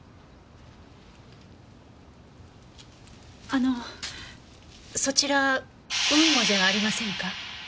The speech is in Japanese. あのそちら雲母じゃありませんか？